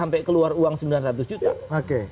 karena itu bisa keluar uang sembilan ratus juta